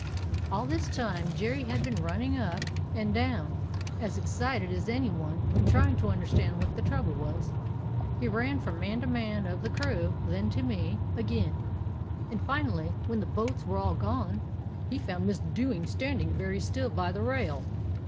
"All this time Jerry had been running up and down, as excited as any one, and trying to understand what the trouble was. He ran from man to man of the crew, then to me 229 DOG HEROES OF MANY LANDS again; and finally, when the boats were all gone, he found Miss Dewing standing very still by the rail.